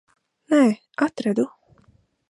Nē, atradu.